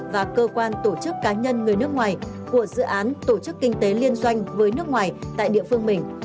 và cơ quan tổ chức cá nhân người nước ngoài của dự án tổ chức kinh tế liên doanh với nước ngoài tại địa phương mình